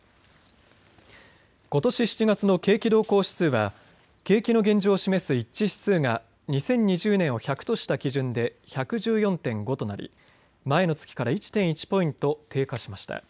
ことし７月の景気動向指数は景気の現状を示す一致指数が２０２０年を１００とした基準で１１４．５となり前の月から１．１ポイント低下しました。